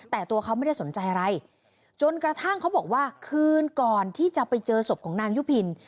แต่ตัวเขาไม่ได้สนใจอะไรจนกระทั่งเขาบอกว่าคืนก่อนที่จะไปเจอศพของนางยุพิน